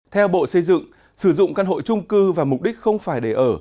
theo bộ xây dựng sử dụng căn hộ trung cư và mục đích không phải để ở